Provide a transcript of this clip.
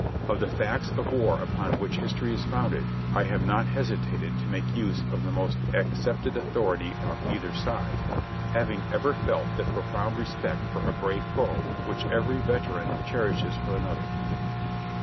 Of the facts of war upon which history is founded, I have not hesitated to make use of the most accepted authority on either side, having ever felt that profound respect for a brave foe which every veteran cherishes for another.